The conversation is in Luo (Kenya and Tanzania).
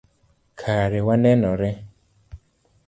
Kare wanenore